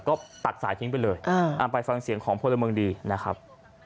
ก็ตัดสายทิ้งไปเลยไปฟังเสียงของพลเมืองดีนะครับ